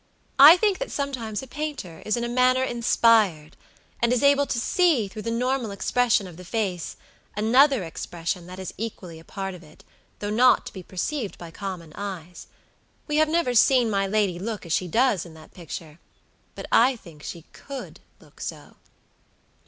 I think that sometimes a painter is in a manner inspired, and is able to see, through the normal expression of the face, another expression that is equally a part of it, though not to be perceived by common eyes. We have never seen my lady look as she does in that picture; but I think that she could look so."